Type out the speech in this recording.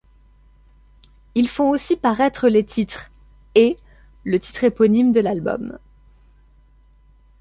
Ils font aussi paraître les titres ' et ' le titre éponyme de l'album.